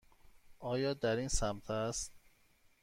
آیا در این سمت است؟